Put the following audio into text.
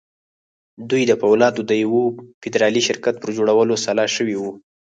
دوی د پولادو د يوه فدرالي شرکت پر جوړولو سلا شوي وو.